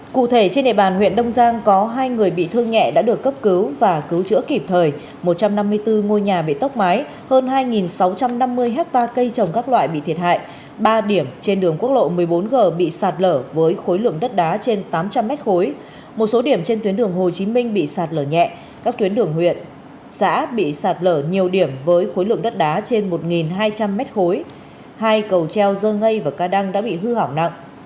cụ thể trên đề bàn huyện đông giang có hai người bị thương nhẹ đã được cấp cứu và cứu chữa kịp thời một trăm năm mươi bốn ngôi nhà bị tốc mái hơn hai sáu trăm năm mươi hectare cây trồng các loại bị thiệt hại ba điểm trên đường quốc lộ một mươi bốn g bị sạt lở với khối lượng đất đá trên tám trăm linh m khối một số điểm trên tuyến đường hồ chí minh bị sạt lở nhẹ các tuyến đường huyện xã bị sạt lở nhiều điểm với khối lượng đất đá trên một hai trăm linh m khối hai cầu treo dơ ngây và ca đăng đã bị hư hỏng nặng